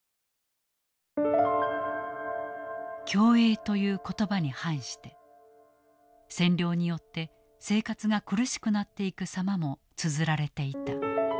共栄という言葉に反して占領によって生活が苦しくなっていく様もつづられていた。